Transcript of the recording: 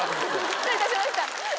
失礼いたしました。